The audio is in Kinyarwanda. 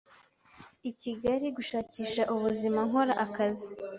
I Kigali gushakisha ubuzima nkora akazi